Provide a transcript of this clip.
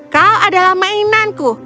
kau adalah mainanku